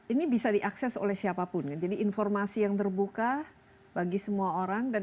ini bisa diakses oleh siapapun kan jadi informasi yang terbuka bagi semua orang dan